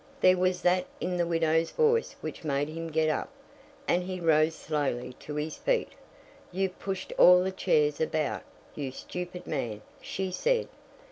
There was that in the widow's voice which made him get up, and he rose slowly to his feet. "You've pushed all the chairs about, you stupid man," she said.